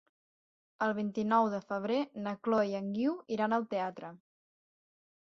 El vint-i-nou de febrer na Chloé i en Guiu iran al teatre.